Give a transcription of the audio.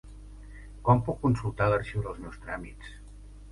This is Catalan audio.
Com puc consultar l'arxiu dels meus tràmits?